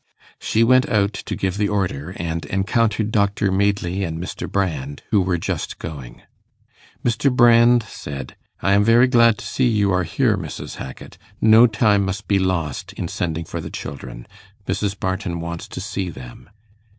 She went out to give the order, and encountered Dr Madeley and Mr. Brand, who were just going. Mr. Brand said: 'I am very glad to see you are here, Mrs. Hackit. No time must be lost in sending for the children. Mrs. Barton wants to see them.